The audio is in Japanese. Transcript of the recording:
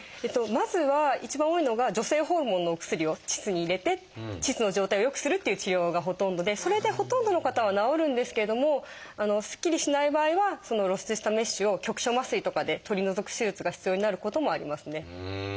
まずは一番多いのが女性ホルモンのお薬を腟に入れて腟の状態を良くするという治療がほとんどでそれでほとんどの方は治るんですけどもすっきりしない場合はその露出したメッシュを局所麻酔とかで取り除く手術が必要になることもありますね。